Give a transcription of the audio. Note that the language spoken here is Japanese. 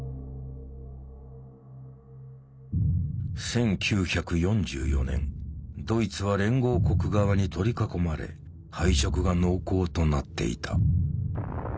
１９４４年ドイツは連合国側に取り囲まれ敗色が濃厚となっていた。